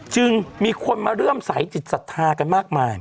จึงมีคนมาเริ่มสายจิตศรัทธากันมากมาย